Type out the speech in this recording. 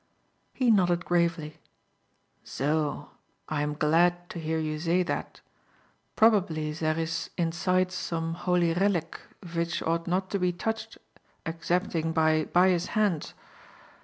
He nodded gravely. "Zo! I am glad to hear you zay zat. Brobably zere is inside some holy relic vich ought not to be touched egzepting by bious handts."